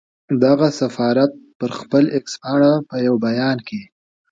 دغه سفارت پر خپله اېکس پاڼه په یو بیان کې